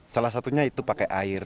salah satunya itu pakai air